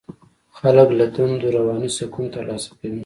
خلک له دندو رواني سکون ترلاسه کوي.